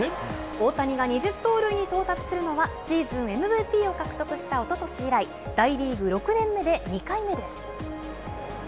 大谷が２０盗塁に到達するのは、シーズンＭＶＰを獲得したおととし以来、大リーグ６年目で２回目です。